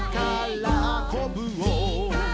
「力こぶを」